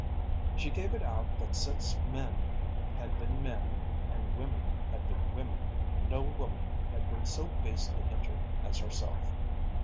She gave it out that since men had been men and women had been women, no woman had been so basely injured as herself.